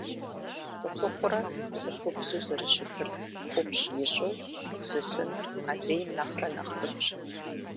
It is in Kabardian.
ЦӀыхухъурэ цӀыхубзу зэрыщытыр ӀупщӀ ищӀу, зысыныр адрейм нэхърэ нэхъ цӀыкӀущ.